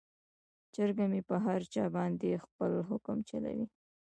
چرګه مې په هر چا باندې خپل حکم چلوي.